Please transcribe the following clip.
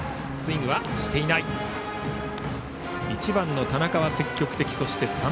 １番の田中は積極的３